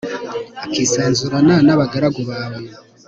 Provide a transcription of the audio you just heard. akisanzurana n'abagaragu bawe